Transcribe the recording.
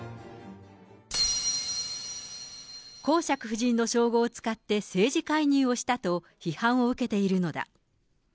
公爵夫人の称号を使って政治介入をしたと、批判を受けているのだ。